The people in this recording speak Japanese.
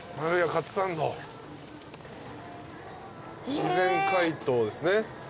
自然解凍ですね。